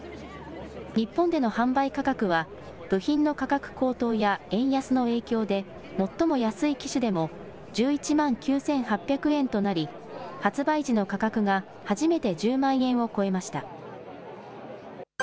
日本での販売価格は、部品の価格高騰や円安の影響で、最も安い機種でも１１万９８００円となり、発売時の価格が初めて１０万円を超えました。